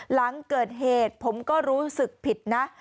หลังเกิดเหตุผมก็รู้สึกผิดนะ